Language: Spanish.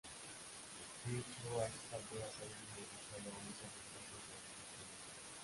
De hecho, a estas alturas se habían movilizado once reemplazos de reservistas.